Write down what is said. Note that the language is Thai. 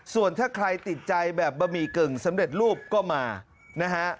ส่วนถ้าใครติดใจแบบบะหมี่กึ่งสำเร็จรูปก็มานะฮะ